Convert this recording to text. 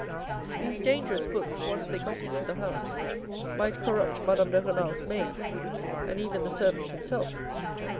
Those dangerous books, once they got into the house, might corrupt Madame de Renal's maids, and even the servant himself."